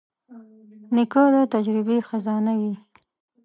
نیکه د تجربې خزانه وي.